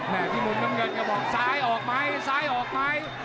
แหน่งที่หมุนกับเกิดกระบอกซ้ายออกใหม่ซ้ายออกใหม่